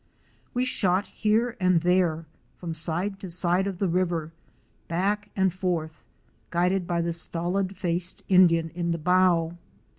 We shot here and there from side to side of the river, back and forth, guided by the stolid faced Indian in the bow.